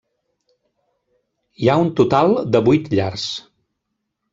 Hi ha un total de vuit llars.